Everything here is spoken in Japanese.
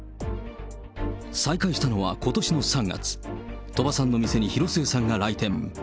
再会したのはことしの３月、鳥羽さんの店に広末さんが来店。